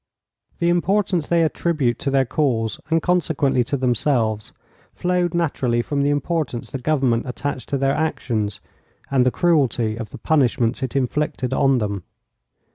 The importance they attribute to their cause, and consequently to themselves, flowed naturally from the importance the government attached to their actions, and the cruelty of the punishments it inflicted on them.